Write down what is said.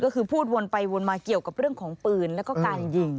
ก็คือพูดวนไปวนมาเกี่ยวกับเรื่องของปืนแล้วก็การยิง